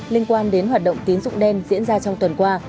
liên quan đến hoạt động tín dụng đen diễn ra trong tuần qua